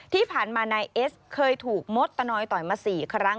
ที่ผ่านมานายเอสเคยถูกมดตะนอยต่อยมา๔ครั้ง